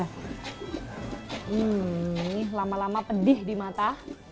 hmm ini lama lama pedih di mata